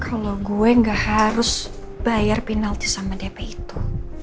kalau gue gak harus bayar penalti sama dp itu